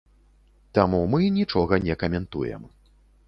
Таму мы нічога не каментуем.